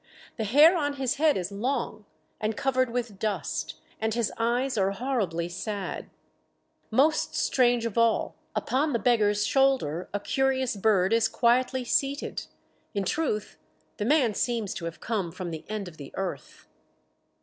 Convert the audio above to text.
The hair on his head is long and covered with dust, and his eyes are horribly sad; most strange of all, upon the beggar's shoulder a curious bird is quietly seated. In truth the man seems to have come from the end of the earth."